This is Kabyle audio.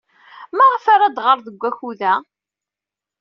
Maɣef ara d-tɣer deg wakud-a?